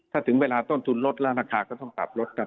ถ้าถึงเวลาต้นทุนลดแล้วราคาก็ต้องปรับลดกัน